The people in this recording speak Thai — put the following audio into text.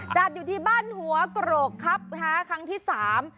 จัดอยู่ที่บ้านหัวโกรกครับนะฮะครั้งที่สาม